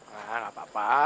nah gak apa apa